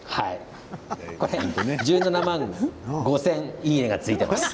１７万５０００いいねがついています。